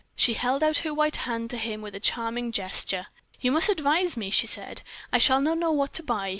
She held out her white hand to him with a charming gesture. "You must advise me," she said; "I shall not know what to buy.